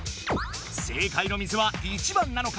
正解の水は１番なのか？